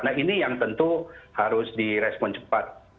nah ini yang tentu harus di respon cepat